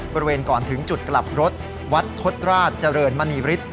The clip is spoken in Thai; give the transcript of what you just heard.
บริเวณก่อนถึงจุดกลับรถวัดทศราชเจริญมณีฤทธิ